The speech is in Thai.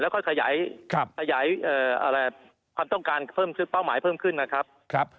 แล้วก็ขยายความต้องการเพิ่มเป้าหมายเพิ่มขึ้นนะครับ